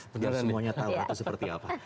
biar semuanya tau ratu seperti apa